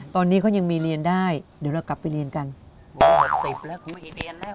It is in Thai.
ตอนนี้เขายังมีเรียนได้เดี๋ยวเรากลับไปเรียนกันโอ้ศพแล้วเขามีเรียนแล้ว